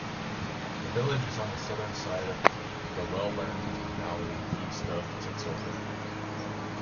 The village is on the southern side of the Welland valley east of Tixover.